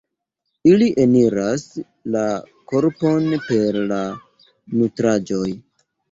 Ili eniras la korpon per la nutraĵoj.